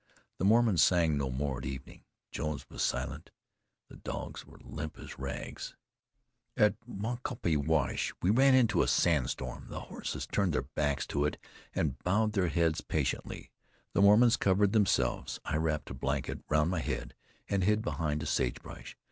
The Mormons sang no more at evening; Jones was silent; the dogs were limp as rags. At Moncaupie Wash we ran into a sandstorm. The horses turned their backs to it, and bowed their heads patiently. The Mormons covered themselves. I wrapped a blanket round my head and hid behind a sage bush.